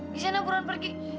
bisa naburan pergi